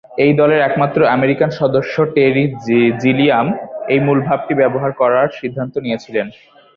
এই দলের একমাত্র আমেরিকান সদস্য টেরি জিলিয়াম এই মূলভাবটি ব্যবহার করার সিদ্ধান্ত নিয়েছিলেন।